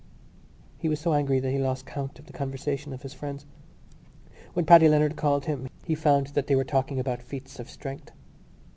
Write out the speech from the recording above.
He was so angry that he lost count of the conversation of his friends. When Paddy Leonard called him he found that they were talking about feats of strength.